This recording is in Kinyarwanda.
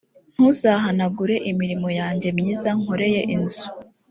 ntuzahanagure imirimo yanjye myiza nkoreye inzu